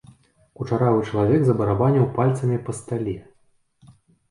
Кучаравы чалавек забарабаніў пальцамі па стале.